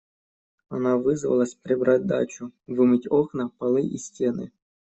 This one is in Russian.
Она вызвалась прибрать дачу, вымыть окна, полы и стены.